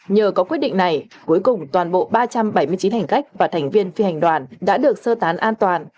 nhờ có quyết định này cuối cùng toàn bộ ba trăm bảy mươi chín hành khách và thành viên phi hành đoàn đã được sơ tán an toàn